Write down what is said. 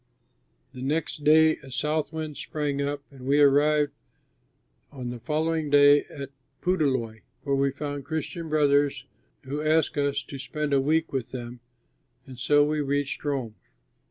The next day a south wind sprang up, and we arrived on the following day at Puteoli, where we found Christian brothers who asked us to spend a week with them, and so we reached Rome.